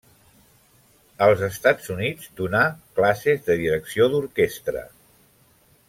Als Estats Units donà classes de direcció d'orquestra.